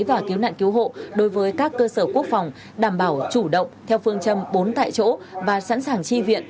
và cứu nạn cứu hộ đối với các cơ sở quốc phòng đảm bảo chủ động theo phương châm bốn tại chỗ và sẵn sàng chi viện